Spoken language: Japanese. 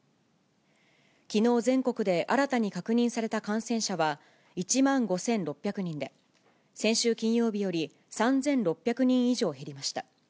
きのう全国で新たに確認された感染者は１万５６００人で、先週金曜日より３６００人以上減りました。